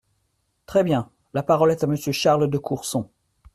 Très bien ! La parole est à Monsieur Charles de Courson.